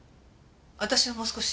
私はもう少し。